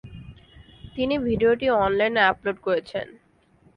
তিনি ভিডিওটি অনলাইনে আপলোড করেছেন।